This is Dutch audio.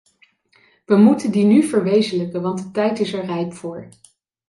We moeten die nu verwezenlijken, want de tijd is er rijp voor.